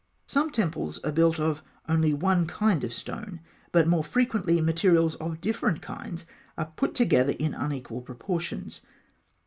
Some temples are built of only one kind of stone; but more frequently materials of different kinds are put together in unequal proportions.